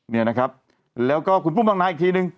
เนี่ยนะครับแล้วก็คุณปุ้มบางนาอีกทีนึง